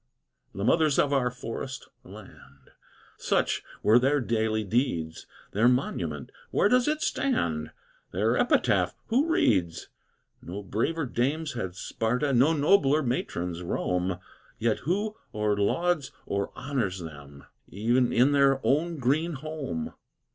The Mothers of our Forest Land! Such were their daily deeds. Their monument! where does it stand? Their epitaph! who reads? No braver dames had Sparta, No nobler matrons Rome, Yet who or lauds or honors them, E'en in their own green home!